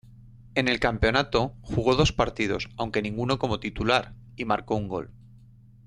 En el campeonato jugó dos partidos, aunque ninguno como titular, y marcó un gol.